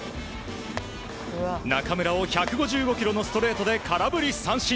中村を１５５キロのストレートで空振り三振。